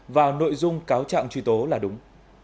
và nội dung cáo trạng truy tố là đúng